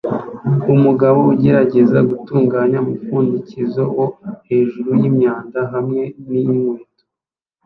Umugabo ugerageza gutunganya umupfundikizo wo hejuru wimyanda hamwe ninkweto